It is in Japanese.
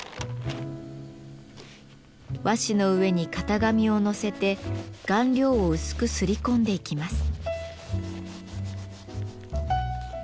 和紙の上に型紙を載せて顔料を薄く摺り込んでいきます。